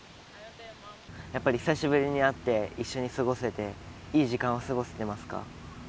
やっぱり久しぶりに会って、一緒に過ごせて、いい時間を過ごせてますか？